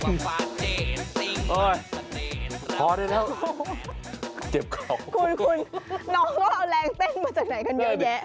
คุณน้องเป็นอะไลคนแบบเกินไปกันเยอะ